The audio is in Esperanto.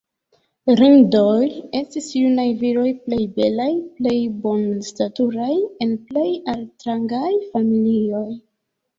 "Rindoj" estis junaj viroj plej belaj, plej bonstaturaj el plej altrangaj familioj.